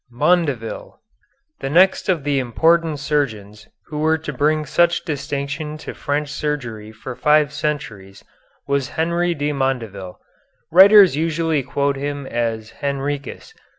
MONDEVILLE The next of the important surgeons who were to bring such distinction to French surgery for five centuries was Henri de Mondeville. Writers usually quote him as Henricus.